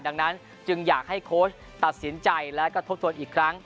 ดังนั้นจึงอยากให้โค้ชตัดสินใจแล้วก็ทบทวนอีกครั้ง